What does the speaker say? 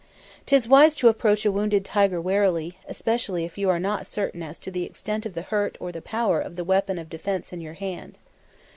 'Tis wise to approach a wounded tiger warily, especially if you are not certain as to the extent of the hurt or the power of the weapon of defence in your hand.